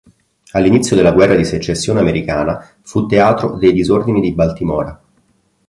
All'inizio della guerra di secessione americana fu teatro dei disordini di Baltimora.